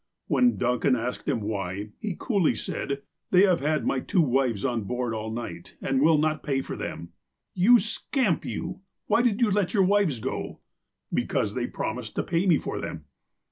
When Duncan asked him why, he coolly said : PECULIAR CUSTOMS 83 " They have had my two wives on board all night, and will not pay for them." " You scamxD you, why did you let your wives go? " ''Because they promised to pay me for them."